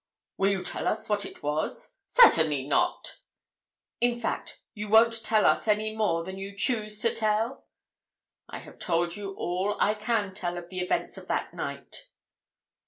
"Will you tell us what it was?" "Certainly not!" "In fact, you won't tell us any more than you choose to tell?" "I have told you all I can tell of the events of that night."